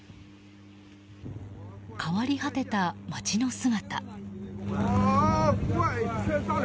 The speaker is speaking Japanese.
変わり果てた街の姿。